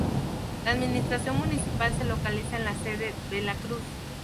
La administración municipal se localiza en la sede: Bela Cruz.